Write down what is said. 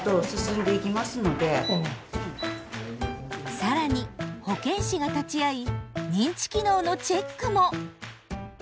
更に保健師が立ち会い認知機能のチェックも！